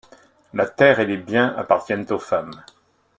La terre et les biens appartiennent aux femmes.